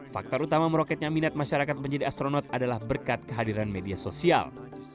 faktor utama meroketnya minat masyarakat menjadi astronot adalah berkat kehadiran media sosial